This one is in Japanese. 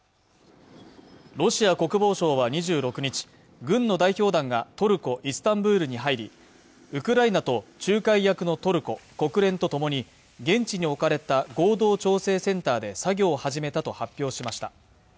ロシア国防省は２６日軍の代表団がトルコ・イスタンブールに入りウクライナと仲介役のトルコ国連とともに現地に置かれた合同調整センターで作業を始めたと発表しました